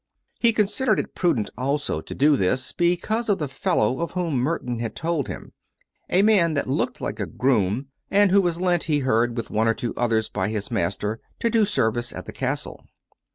He considered it prudent also to do this, be cause of the fellow of whom Merton had told him — a man that looked like a groom, and who was lent, lie heard, with one or two others by his master to do service at the Castle.